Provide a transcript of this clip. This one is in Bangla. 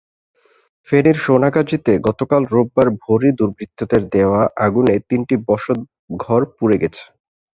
ফেনীর সোনাগাজীতে গতকাল রোববার ভোরে দুর্বৃত্তদের দেওয়া আগুনে তিনটি বসতঘর পুড়ে গেছে।